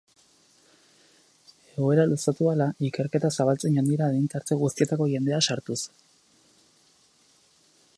Egoera luzatu ahala, ikerketa zabaltzen joan dira adin-tarte guztietako jendea sartuz.